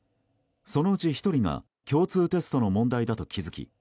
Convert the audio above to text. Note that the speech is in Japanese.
そのうち１人が共通テストの問題だと気付き